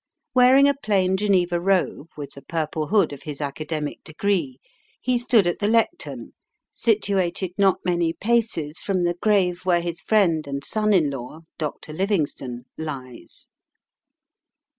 Wearing a plain Geneva robe with the purple hood of his academic degree, he stood at the lectern, situated not many paces from the grave where his friend and son in law, Dr. Livingstone, lies.